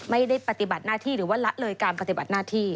ปฏิบัติหน้าที่หรือว่าละเลยการปฏิบัติหน้าที่